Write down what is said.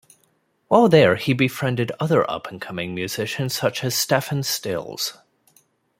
While there, he befriended other up-and-coming musicians such as Stephen Stills.